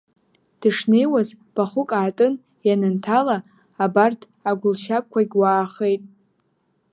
Дышнеиуаз, бахәык аатын, ианынҭала, абарҭ агәылшьаԥқәагь уаахеит.